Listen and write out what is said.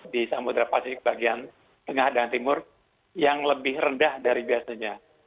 di samudera pasifik bagian tengah dan timur yang lebih rendah dari biasanya